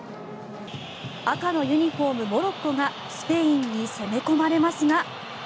赤のユニホーム、モロッコがスペインに攻め込まれますが。